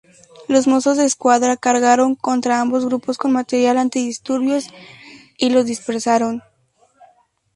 Los Mozos de Escuadra cargaron contra ambos grupos con material antidisturbios y los dispersaron.